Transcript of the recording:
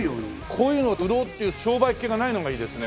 こういうの売ろうっていう商売っ気がないのがいいですね。